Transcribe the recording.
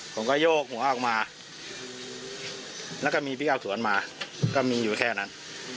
ผมก็โยกหัวออกมาแล้วก็มีพี่เอาสวนมาก็มีอยู่แค่นั้น